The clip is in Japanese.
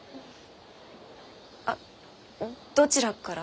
あどちらから？